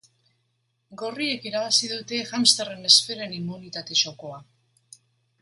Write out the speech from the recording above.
Gorriek irabazi dute hamsterren esferen immunitate jokoa.